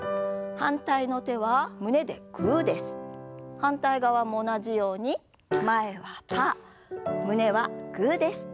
反対側も同じように前はパー胸はグーです。